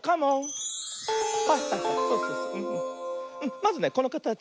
まずねこのかたち